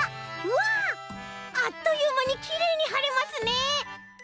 うわあっというまにきれいにはれますね。